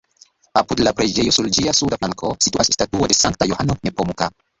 Apud la preĝejo, sur ĝia suda flanko, situas statuo de Sankta Johano Nepomuka.